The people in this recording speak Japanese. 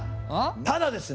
ただですね！